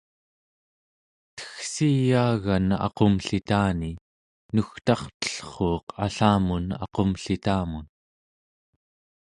teggsiyaagan aqumllitani nugtartellruuq allamun aqumllitamun